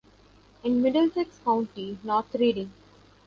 In Middlesex County: North Reading.